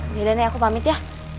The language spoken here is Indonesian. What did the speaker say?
yaudah deh aku pamit ya